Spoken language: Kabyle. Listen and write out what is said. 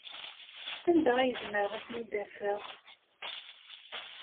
Anda ay zemreɣ ad ten-id-afeɣ?